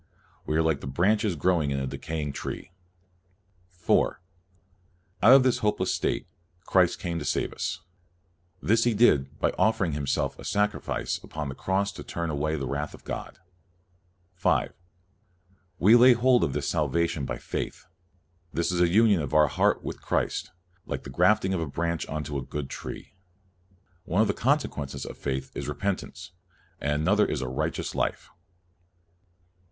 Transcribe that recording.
We are like branches growing in a decaying tree. 4. Out of this hopeless state, Christ came to save us. This He did by offering io6 CALVIN Himself a sacrifice upon the Cross to turn away the wrath of God. 5. We lay hold of this salvation by faith. This is a union of our heart with Christ, like the grafting of a branch into a good tree. One of the consequences of faith is repentance, and another is a right eous life.